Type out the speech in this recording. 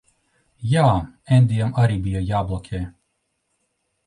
Jā. Endijam arī bija jābloķē.